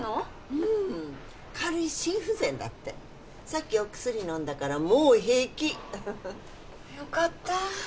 うん軽い心不全だってさっきお薬飲んだからもう平気よかった